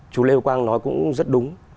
chú lê quang nói cũng rất đúng